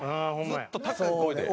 ずっと高い声で。